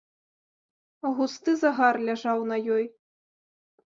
Густы загар ляжаў на ёй.